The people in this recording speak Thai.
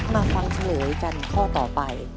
มาฟังเฉลยกันข้อต่อไป